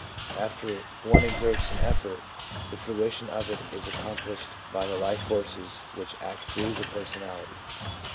After one exerts an effort, the fruition of it is accomplished by the life forces which act through the personality.